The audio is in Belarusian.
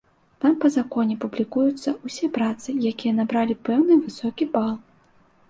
Там па законе публікуюцца ўсе працы, якія набралі пэўны высокі бал.